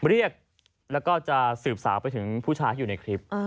เรียกแล้วก็จะสืบสาวไปถึงผู้ชายที่อยู่ในคลิป